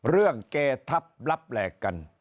เรื่องเกธับลับแหลกกัน